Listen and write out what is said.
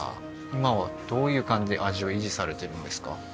今はどういう感じで味を維持されてるんですか？